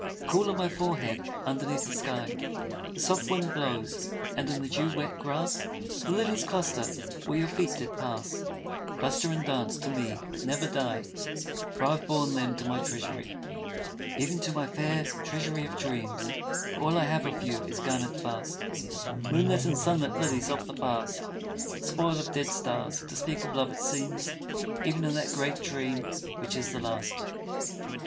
Cool on my forehead underneath the sky The soft wind blows, and in the dew wet grass The lilies cluster where your feet did pass, Cluster and dance to me but never die, For I have borne them to my treasury. Even to my fair treasury of dreams, Where all I have of you is garnered fast, Moonlit and sunlit lilies of the past Spoil of dead stars, to speak of love it seems Even in that great dream which is the last.